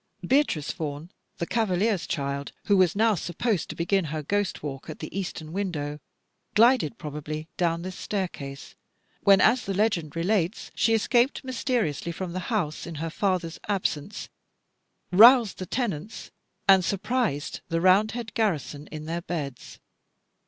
Beatrice Vaughan, the cavalier's child, who was now supposed to begin her ghost walk at the eastern window, glided probably down this staircase, when, as the legend relates, she escaped mysteriously from the house, in her father's absence, roused the tenants, and surprised the Roundhead garrison in their beds.